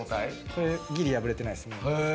これはギリ破れてないですね。